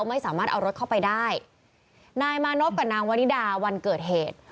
ไม่สามารถเอารถเข้าไปได้นายมานพกับนางวริดาวันเกิดเหตุ